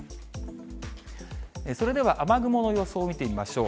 それでは雨雲の予想を見てみましょう。